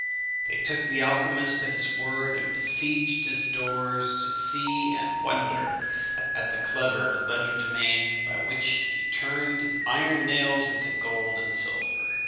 They took the alchymist at his word, and besieged his doors to see and wonder at the clever legerdemain by which he turned iron nails into gold and silver.